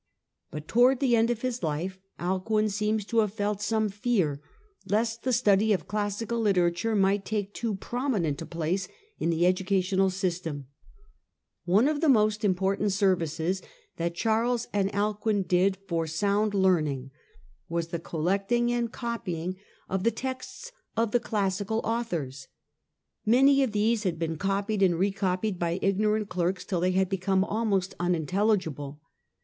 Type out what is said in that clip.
But towards the end of his life, Alcuin seems to have felt some fear lest the study of classical literature might take too prominent a place in the educational system. The One of the most important services that Charles and revival of .. learning Alcuin did for sound learning was the collecting and copying of the texts of the classical authors. Many of these had been copied and recopied by ignorant clerks till they had become almost unintelligible.